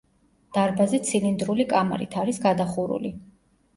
დარბაზი ცილინდრული კამარით არის გადახურული.